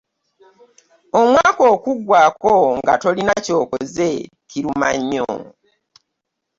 Omwaka okuggwaako nga tolina ky'okoze kiruma nnyo.